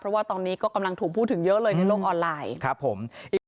เพราะว่าตอนนี้ก็กำลังถูกพูดถึงเยอะเลยในโลกออนไลน์ครับผม